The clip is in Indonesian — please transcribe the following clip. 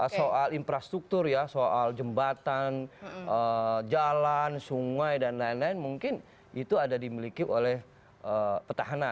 soal infrastruktur ya soal jembatan jalan sungai dan lain lain mungkin itu ada dimiliki oleh petahana